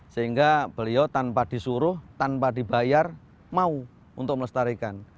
sehingga beliau tanpa disuruh tanpa dibayar mau untuk melestarikan